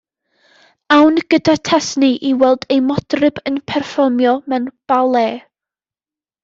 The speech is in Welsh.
Awn gyda Tesni i weld ei modryb yn perfformio mewn bale.